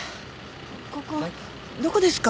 ここどこですか？